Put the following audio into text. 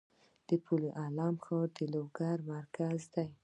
د پل علم ښار د لوګر مرکز دی